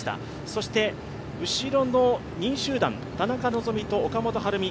そして、後ろの２位集団田中希実と岡本春美。